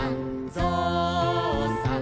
ぞうさん